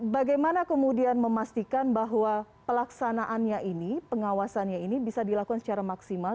bagaimana kemudian memastikan bahwa pelaksanaannya ini pengawasannya ini bisa dilakukan secara maksimal